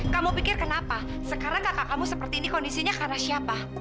kamu pikir kenapa sekarang kakak kamu seperti ini kondisinya karena siapa